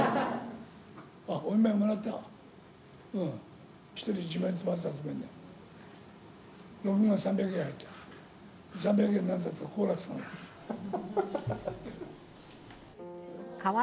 あっ、お見舞いもらったわ。